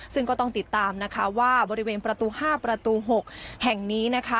ซึ่งก็ต้องติดตามนะคะว่าบริเวณประตู๕ประตู๖แห่งนี้นะคะ